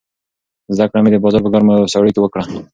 زده کړه مې د بازار په ګرمو او سړو کې وکړه.